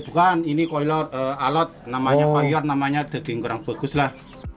bukan ini alat namanya payar namanya daging kurang baguslah